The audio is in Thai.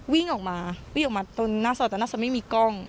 วิ่งออกมาวิ่งออกมาตรงหน้าซอยแต่น่าจะไม่มีกล้อง